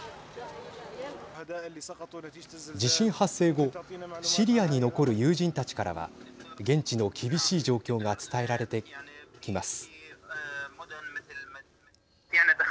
地震発生後シリアに残る友人たちからは現地の厳しい状況が伝えられてきます。